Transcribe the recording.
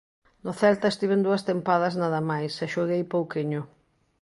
No Celta estiven dúas tempadas nada máis e xoguei pouquiño.